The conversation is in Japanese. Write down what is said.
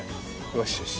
よしよし。